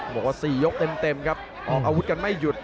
บอกว่า๔ยกเต็มครับออกอาวุธกันไม่หยุด